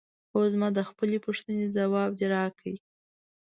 هو زما د خپلې پوښتنې ځواب دې راکړ؟